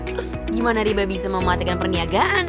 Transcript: terus gimana riba bisa mematikan perniagaan